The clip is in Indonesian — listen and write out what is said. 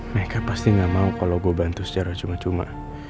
meka pasti gak mau kalo gua bantu secara cuma cuma